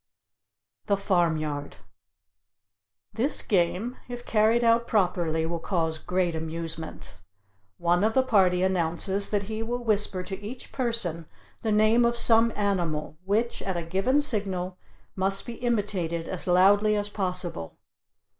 THE FARMYARD This game, if carried out properly, will cause great amusement. One of the party announces that he will whisper to each person the name of some animal, which, at a given signal, must be imitated as loudly as possible.